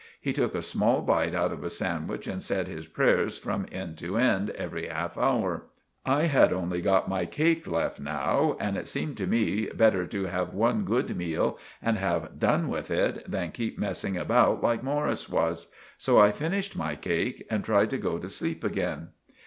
He took a small bite out of a sandwich and said his prayers from end to end every half hour. I had only got my cake left now, and it seemed to me better to have one good meel and have done with it than keep messing about like Morris was. So I finished my cake and tried to go to sleep again.